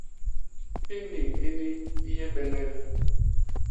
I niñ ini i yé beñel.